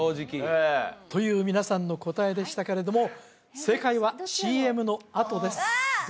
ええという皆さんの答えでしたけれども正解はＣＭのあとですあ！